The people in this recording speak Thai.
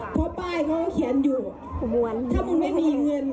เพราะป้ายเขาก็เขียนอยู่เหมือนถ้ามันไม่มีเงิน